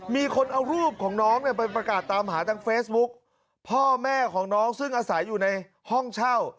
มีคนเอารูปของน้องเนี่ยไปประกาศตามหาทางเฟซบุ๊กพ่อแม่ของน้องซึ่งอาศัยอยู่ในห้องเช่า